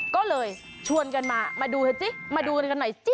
ก็เลยชวนกันมามาดูเถอะสิมาดูกันหน่อยสิ